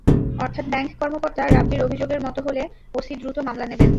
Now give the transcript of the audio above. অর্থাৎ ব্যাংক কর্মকর্তা রাব্বীর অভিযোগের মতো হলে ওসি দ্রুত মামলা নেবেন।